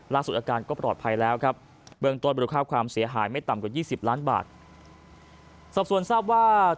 ล่าสุดอาการก็ปลอดภัยแล้วเบื้องต้นบริษัทภาพความเสียหายไม่ต่ำกว่า๒๐ล้านบาท